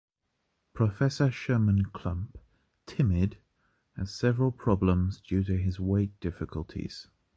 Professor Sherman Klump, timid, has several problems due to his weight difficulties.